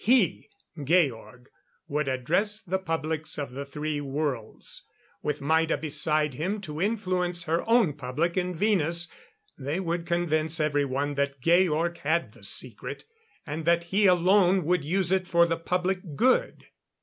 He Georg would address the publics of the three worlds. With Maida beside him to influence her own public in Venus, they would convince everyone that Georg had the secret and that he alone would use it for the public good.